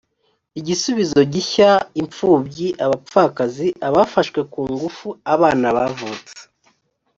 igisubizo gishya impfubyi abapfakazi abafashwe ku ngufu abana bavutse